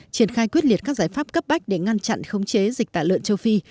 triển khai quyết liệt các giải pháp cấp bách để ngăn chặn khống chế dịch tả lợn châu phi